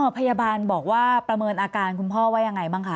พยาบาลบอกว่าประเมินอาการคุณพ่อว่ายังไงบ้างคะ